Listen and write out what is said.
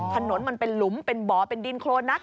ถนนมันเป็นหลุมเป็นบ่อเป็นดินโครนนัก